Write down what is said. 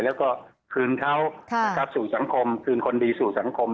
แล้วก็คืนเขาสู่สังคมคืนคนดีสู่สังคม